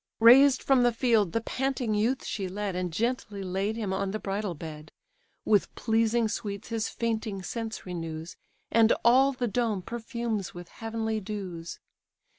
Raised from the field the panting youth she led, And gently laid him on the bridal bed, With pleasing sweets his fainting sense renews, And all the dome perfumes with heavenly dews.